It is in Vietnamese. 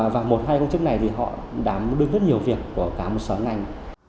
và một hai công chức này thì họ đã đưa rất nhiều việc của cả một số ngành